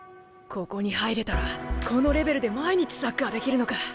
ここに入れたらこのレベルで毎日サッカーできるのか。